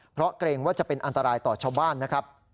เพราะเกรงว่าจะเป็นอันตรายต่อชาวบ้านนะครับ